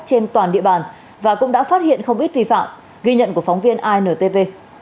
trên toàn địa bàn và cũng đã phát hiện không ít vi phạm ghi nhận của phóng viên intv